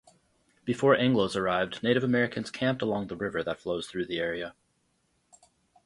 Before Anglos arrived, Native Americans camped along the river that flows through the area.